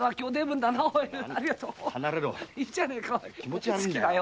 離れろ気持ち悪いんだよ。